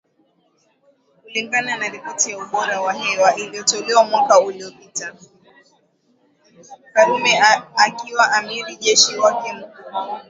Karume akiwa amiri jeshi wake Mkuu